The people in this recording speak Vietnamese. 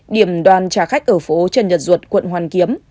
điểm đoàn trả khách ở phố trần nhật duật quận hoàn kiếm